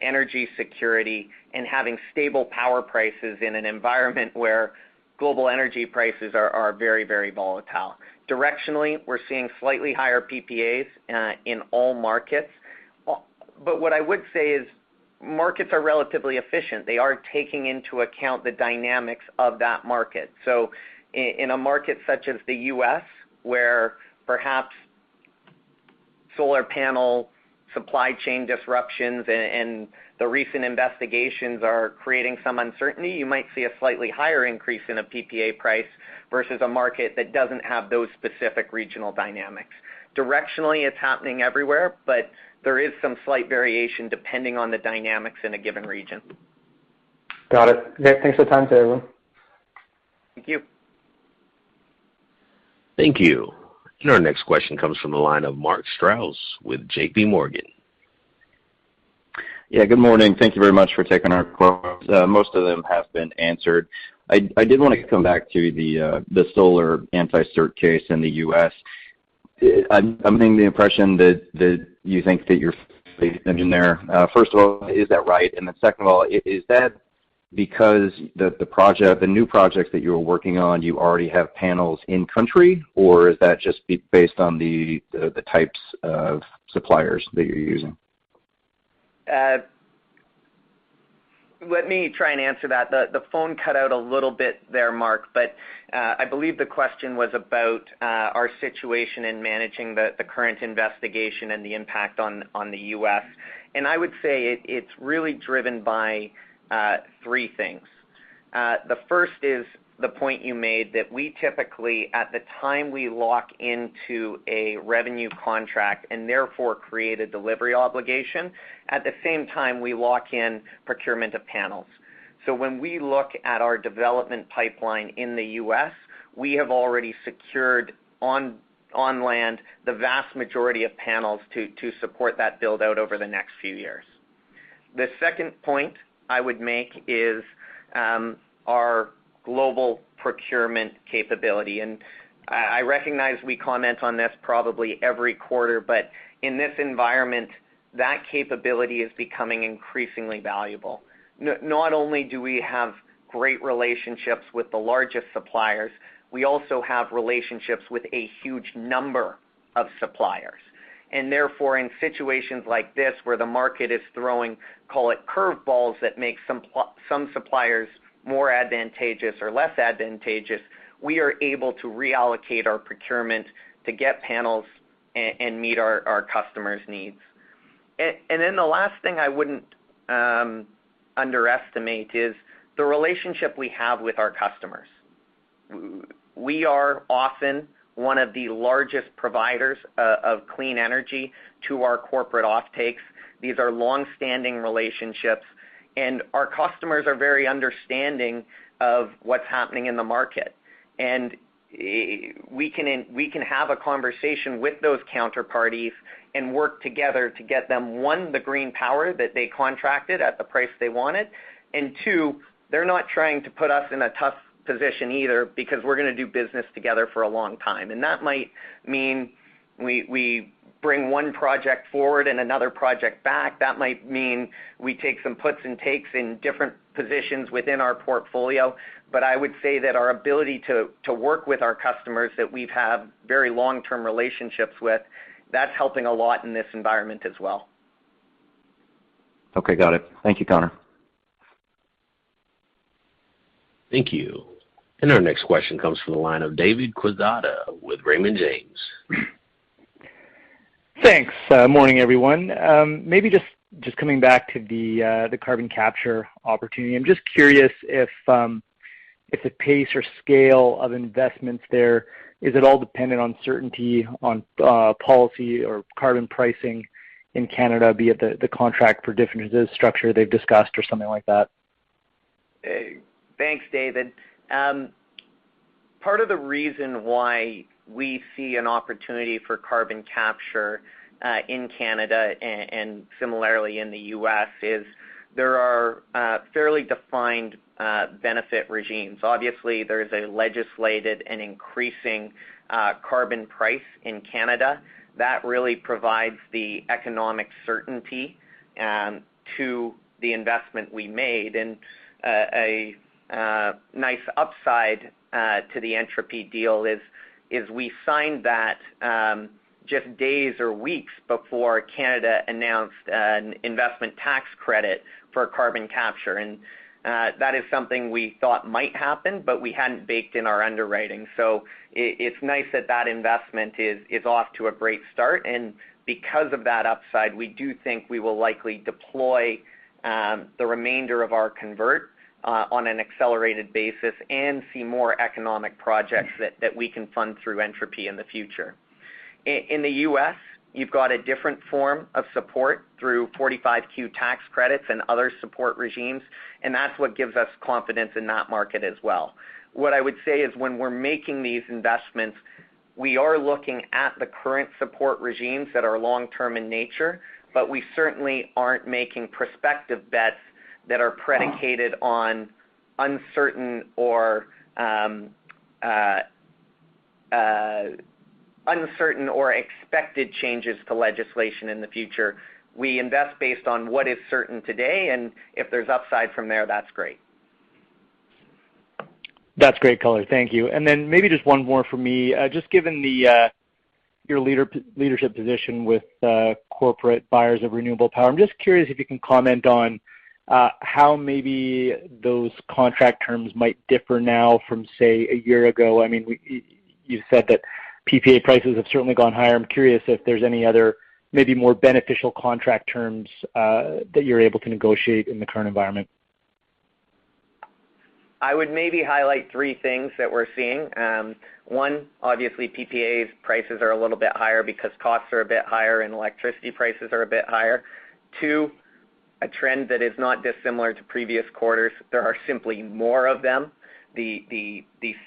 energy security, and having stable power prices in an environment where global energy prices are very volatile. Directionally, we're seeing slightly higher PPAs in all markets. But what I would say is markets are relatively efficient. They are taking into account the dynamics of that market. In a market such as the U.S., where perhaps solar panel supply chain disruptions and the recent investigations are creating some uncertainty, you might see a slightly higher increase in a PPA price versus a market that doesn't have those specific regional dynamics. Directionally, it's happening everywhere, but there is some slight variation depending on the dynamics in a given region. Got it. Okay, thanks for the time today, everyone. Thank you. Thank you. Our next question comes from the line of Mark Strouse with J.P. Morgan. Yeah, good morning. Thank you very much for taking our calls. Most of them have been answered. I did want to come back to the solar anti-circumvention case in the U.S. I'm getting the impression that you think that you're okay. Got it. Thank you, Connor. Thank you. Our next question comes from the line of David Quezada with Raymond James. Thanks. Morning, everyone. Maybe just coming back to the carbon capture opportunity. I'm just curious if the pace or scale of investments there is all dependent on certainty on policy or carbon pricing in Canada, be it the Contracts for Difference structure they've discussed or something like that? Thanks, David. Part of the reason why we see an opportunity for carbon capture in Canada and similarly in the U.S. is there are fairly defined benefit regimes. Obviously, there is a legislated and increasing carbon price in Canada. That really provides the economic certainty to the investment we made. A nice upside to the Entropy deal is we signed that just days or weeks before Canada announced an investment tax credit for carbon capture. That is something we thought might happen, but we hadn't baked in our underwriting. It's nice that that investment is off to a great start. Because of that upside, we do think we will likely deploy the remainder of our convert on an accelerated basis and see more economic projects that we can fund through Entropy in the future. In the U.S., you've got a different form of support through 45Q tax credits and other support regimes, and that's what gives us confidence in that market as well. What I would say is when we're making these investments, we are looking at the current support regimes that are long-term in nature, but we certainly aren't making prospective bets that are predicated on uncertain or expected changes to legislation in the future. We invest based on what is certain today, and if there's upside from there, that's great. That's great, Connor Teskey. Thank you. Maybe just one more for me. Just given your leadership position with corporate buyers of renewable power, I'm just curious if you can comment on how maybe those contract terms might differ now from, say, a year ago. I mean, you said that PPA prices have certainly gone higher. I'm curious if there's any other, maybe more beneficial contract terms that you're able to negotiate in the current environment. I would maybe highlight three things that we're seeing. One, obviously, PPA prices are a little bit higher because costs are a bit higher and electricity prices are a bit higher. Two, a trend that is not dissimilar to previous quarters, there are simply more of them. The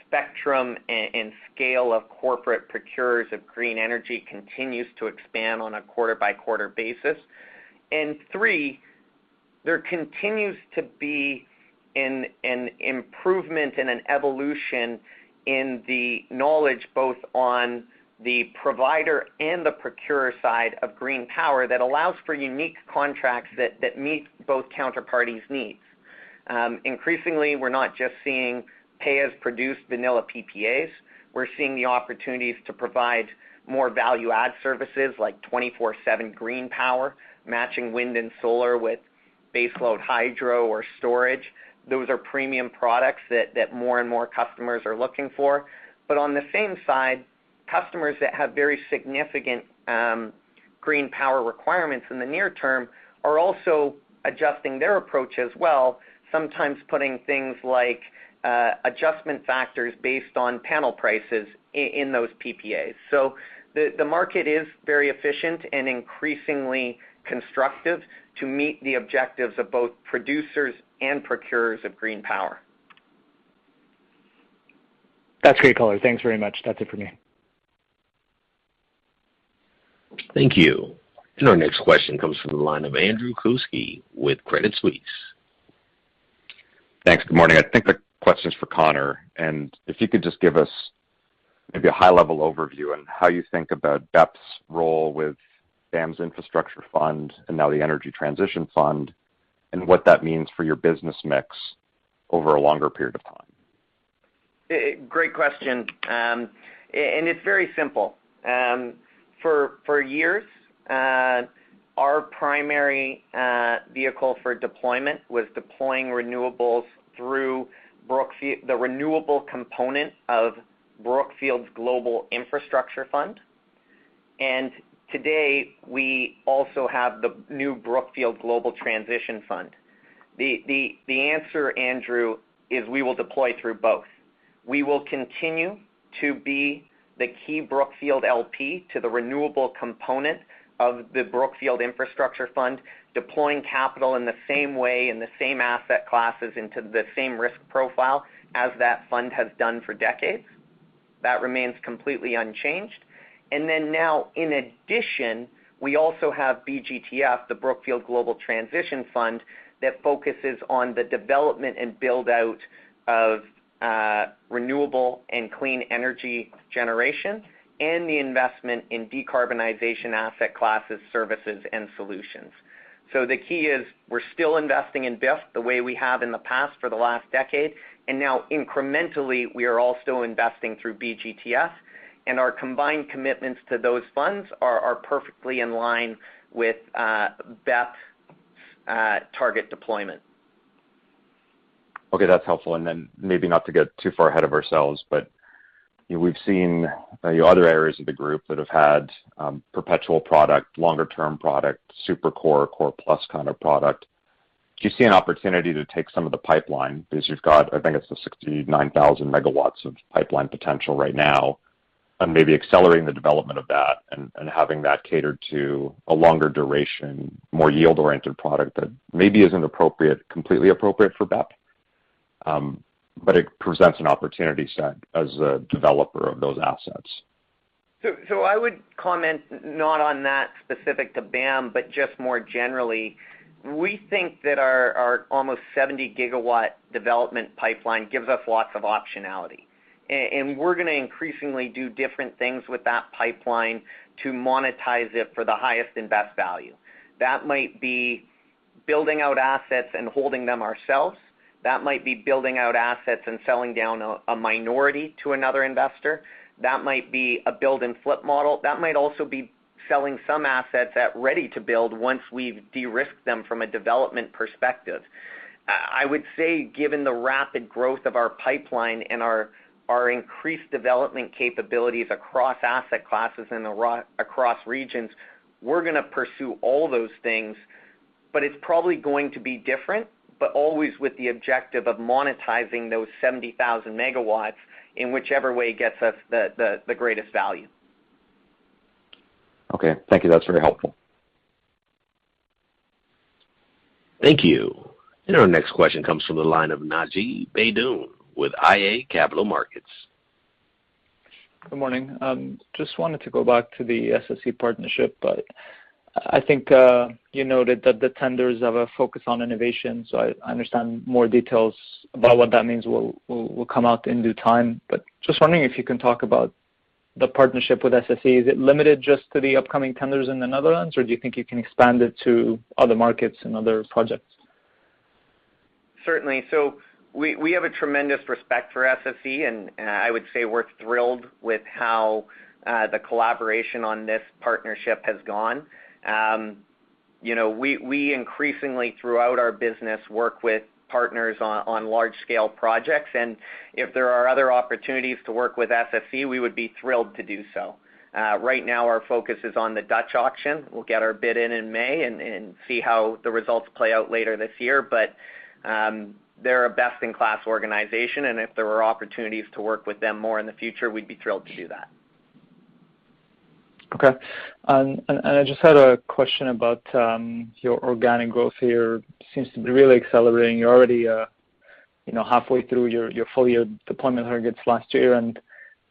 spectrum and scale of corporate procurers of green energy continues to expand on a quarter-by-quarter basis. Three, there continues to be an improvement and an evolution in the knowledge, both on the provider and the procurer side of green power that allows for unique contracts that meet both counterparties' needs. Increasingly, we're not just seeing pay-as-produced vanilla PPAs. We're seeing the opportunities to provide more value-add services like 24/7 green power, matching wind and solar with baseload hydro or storage. Those are premium products that more and more customers are looking for. On the same side, customers that have very significant green power requirements in the near term are also adjusting their approach as well, sometimes putting things like adjustment factors based on panel prices in those PPAs. The market is very efficient and increasingly constructive to meet the objectives of both producers and procurers of green power. That's great, Connor. Thanks very much. That's it for me. Thank you. Our next question comes from the line of Andrew Kuske with Credit Suisse. Thanks. Good morning. I think the question is for Connor. If you could just give us maybe a high-level overview on how you think about BEP's role with BAM's Infrastructure Fund and now the Energy Transition Fund, and what that means for your business mix over a longer period of time. Great question. It's very simple. For years, our primary vehicle for deployment was deploying renewables through Brookfield, the renewable component of Brookfield's Infrastructure Fund. Today, we also have the new Brookfield Global Transition Fund. The answer, Andrew, is we will deploy through both. We will continue to be the key Brookfield LP to the renewable component of the Brookfield Infrastructure Fund, deploying capital in the same way, in the same asset classes, into the same risk profile as that fund has done for decades. That remains completely unchanged. Then now, in addition, we also have BGTF, the Brookfield Global Transition Fund, that focuses on the development and build-out of renewable and clean energy generation and the investment in decarbonization asset classes, services, and solutions. The key is we're still investing in BIF the way we have in the past for the last decade, and now incrementally, we are also investing through BGTF, and our combined commitments to those funds are perfectly in line with BEP's target deployment. Okay, that's helpful. Maybe not to get too far ahead of ourselves, but you know we've seen the other areas of the group that have had perpetual product, longer-term product, super core plus kind of product. Do you see an opportunity to take some of the pipeline because you've got, I think it's the 69,000 MW of pipeline potential right now and maybe accelerating the development of that and having that catered to a longer duration, more yield-oriented product that maybe isn't completely appropriate for BEP, but it presents an opportunity set as a developer of those assets? I would comment not on that specific to BAM, but just more generally. We think that our almost 70 GW development pipeline gives us lots of optionality, and we're gonna increasingly do different things with that pipeline to monetize it for the highest and best value. That might be building out assets and holding them ourselves. That might be building out assets and selling down a minority to another investor. That might be a build-and-flip model. That might also be selling some assets at ready-to-build once we've de-risked them from a development perspective. I would say, given the rapid growth of our pipeline and our increased development capabilities across asset classes and across regions, we're gonna pursue all those things, but it's probably going to be different, but always with the objective of monetizing those 70,000 megawatts in whichever way gets us the greatest value. Okay. Thank you. That's very helpful. Thank you. Our next question comes from the line of Naji Baydoun with iA Capital Markets. Good morning. Just wanted to go back to the SSE partnership, but I think you noted that the tenders have a focus on innovation, so I understand more details about what that means will come out in due time. Just wondering if you can talk about the partnership with SSE. Is it limited just to the upcoming tenders in the Netherlands, or do you think you can expand it to other markets and other projects? Certainly. We have a tremendous respect for SSE, and I would say we're thrilled with how the collaboration on this partnership has gone. You know, we increasingly, throughout our business, work with partners on large scale projects, and if there are other opportunities to work with SSE, we would be thrilled to do so. Right now, our focus is on the Dutch auction. We'll get our bid in in May and see how the results play out later this year. They're a best-in-class organization, and if there were opportunities to work with them more in the future, we'd be thrilled to do that. Okay. I just had a question about your organic growth here. Seems to be really accelerating. You're already, you know, halfway through your full year deployment targets last year.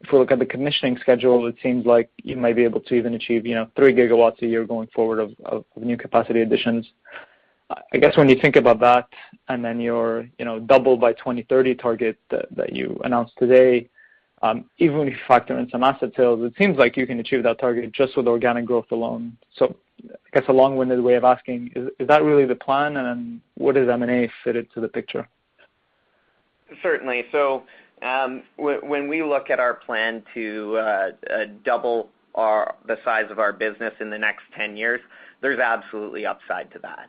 If we look at the commissioning schedule, it seems like you might be able to even achieve, you know, 3 gigawatts a year going forward of new capacity additions. I guess when you think about that and then your, you know, double by 2030 target that you announced today, even if you factor in some asset sales, it seems like you can achieve that target just with organic growth alone. I guess a long-winded way of asking, is that really the plan, and then where does M&A fit into the picture? Certainly. When we look at our plan to double the size of our business in the next 10 years, there's absolutely upside to that.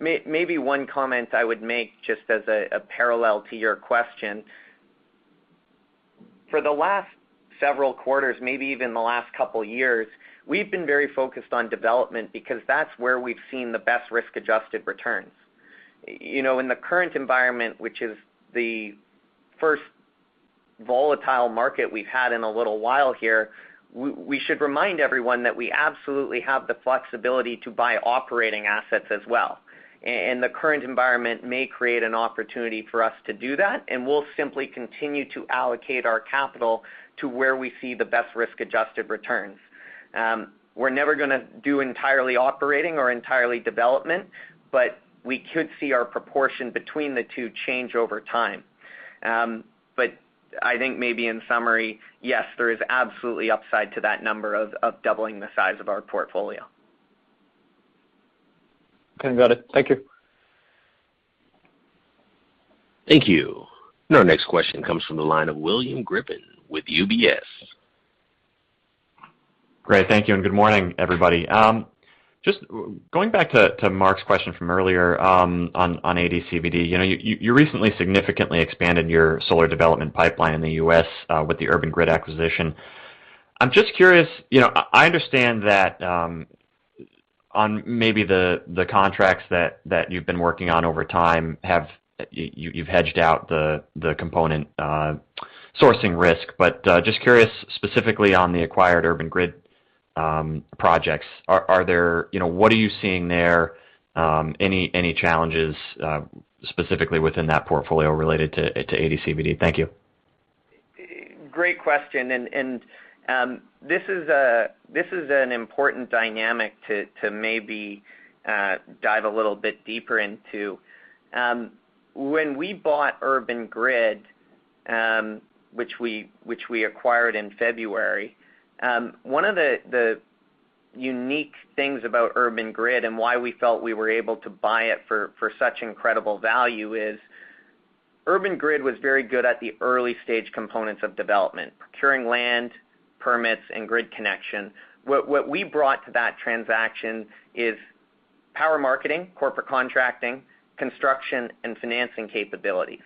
Maybe one comment I would make just as a parallel to your question. For the last several quarters, maybe even the last couple years, we've been very focused on development because that's where we've seen the best risk-adjusted returns. You know, in the current environment, which is the first volatile market we've had in a little while here, we should remind everyone that we absolutely have the flexibility to buy operating assets as well. The current environment may create an opportunity for us to do that, and we'll simply continue to allocate our capital to where we see the best risk-adjusted returns. We're never gonna do entirely operating or entirely development, but we could see our proportion between the two change over time. I think maybe in summary, yes, there is absolutely upside to that number of doubling the size of our portfolio. Okay. Got it. Thank you. Thank you. Our next question comes from the line of William Grippin with UBS. Great. Thank you, and good morning, everybody. Just going back to Mark's question from earlier, on ADCVD. You know, you recently significantly expanded your solar development pipeline in the U.S., with the Urban Grid acquisition. I'm just curious, you know, I understand that, on maybe the contracts that you've been working on over time, you've hedged out the component sourcing risk. Just curious, specifically on the acquired Urban Grid projects, you know, what are you seeing there? Any challenges, specifically within that portfolio related to ADCVD? Thank you. Great question. This is an important dynamic to maybe dive a little bit deeper into. When we bought Urban Grid, which we acquired in February, one of the unique things about Urban Grid and why we felt we were able to buy it for such incredible value is Urban Grid was very good at the early-stage components of development, procuring land, permits, and grid connection. What we brought to that transaction is power marketing, corporate contracting, construction, and financing capabilities.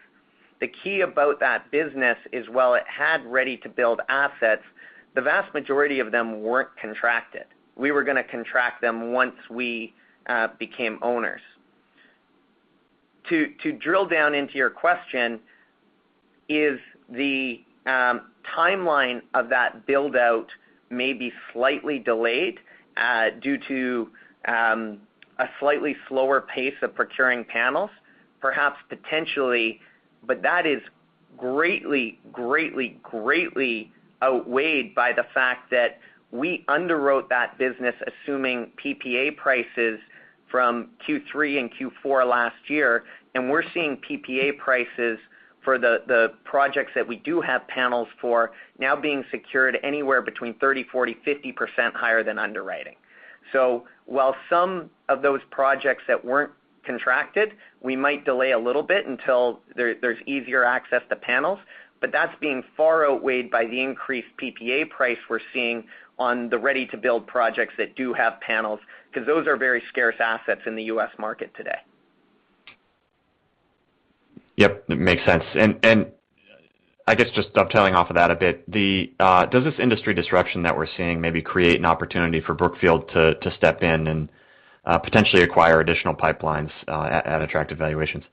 The key about that business is while it had ready-to-build assets, the vast majority of them weren't contracted. We were gonna contract them once we became owners. To drill down into your question, is the timeline of that build-out may be slightly delayed due to a slightly slower pace of procuring panels? Perhaps potentially, but that is greatly outweighed by the fact that we underwrote that business assuming PPA prices from Q3 and Q4 last year. We're seeing PPA prices for the projects that we do have panels for now being secured anywhere between 30, 40, 50% higher than underwriting. While some of those projects that weren't contracted, we might delay a little bit until there's easier access to panels, but that's being far outweighed by the increased PPA price we're seeing on the ready-to-build projects that do have panels, 'cause those are very scarce assets in the U.S. market today. Yep. Makes sense. I guess just dovetailing off of that a bit, does this industry disruption that we're seeing maybe create an opportunity for Brookfield to step in and potentially acquire additional pipelines at attractive valuations?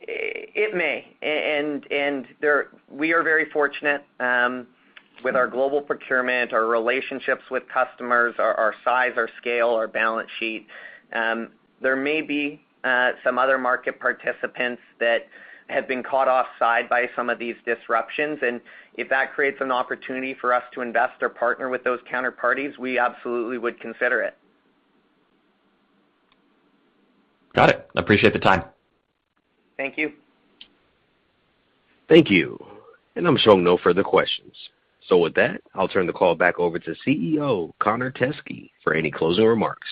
It may. We are very fortunate with our global procurement, our relationships with customers, our size, our scale, our balance sheet. There may be some other market participants that have been caught offside by some of these disruptions, and if that creates an opportunity for us to invest or partner with those counterparties, we absolutely would consider it. Got it. I appreciate the time. Thank you. Thank you. I'm showing no further questions. With that, I'll turn the call back over to CEO Connor Teskey for any closing remarks.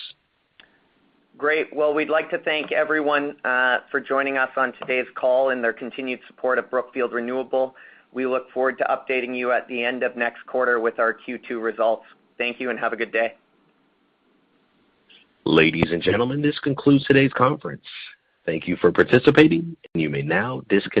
Great. Well, we'd like to thank everyone for joining us on today's call and their continued support of Brookfield Renewable. We look forward to updating you at the end of next quarter with our Q2 results. Thank you, and have a good day. Ladies and gentlemen, this concludes today's conference. Thank you for participating, and you may now disconnect.